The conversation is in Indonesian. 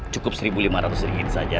cukup seribu lima ratus ring saja